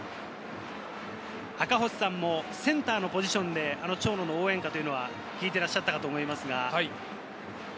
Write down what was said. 赤星さんもセンターのポジションで長野の応援歌は聞いていらっしゃったと思います。